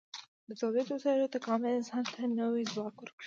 د تولیدي وسایلو تکامل انسان ته نوی ځواک ورکړ.